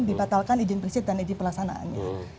dibatalkan izin prinsip dan izin pelaksanaannya